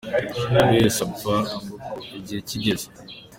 buriwese apha igihe cyigeze.